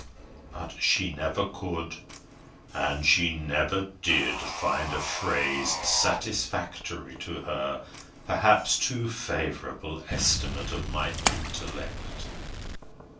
But she never could, and she never did, find a phrase satisfactory to her perhaps too favourable estimate of my intellect.